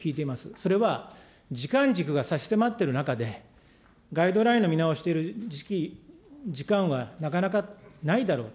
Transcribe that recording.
それは、時間軸が差し迫っている中で、ガイドラインの見直してる時間はなかなかないだろうと。